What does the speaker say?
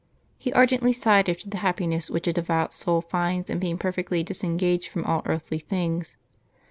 He ardently sighed after the happiness which a devout soul finds in being perfectly disengaged from all earthly things.